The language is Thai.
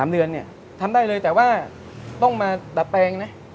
๓เดือนเนี่ยทำได้เลยแต่ว่าต้องมาดัดแปลงนะ